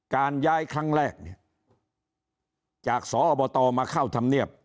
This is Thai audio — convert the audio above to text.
การย้ายครั้งแรกเนี่ยจากสอบตมาเข้าธรรมเนียบ